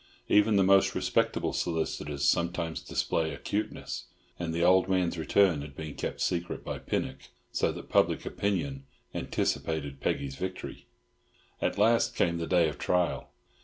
Even the most respectable solicitors sometimes display acuteness, and the old man's return had been kept secret by Pinnock, so that public opinion anticipated Peggy's victory. At last came the day of trial.